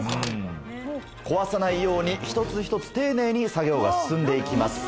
壊さないように一つ一つ丁寧に作業が進んで行きます。